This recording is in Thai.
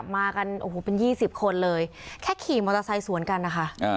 มากันโอ้โหเป็น๒๐คนเลยแค่ขี่มอเตอร์ไซค์สวนกันนะคะ